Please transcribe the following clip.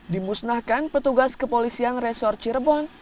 dimusnahkan petugas kepolisian resor cirebon